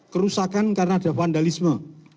kerusakan karena ada vandalisme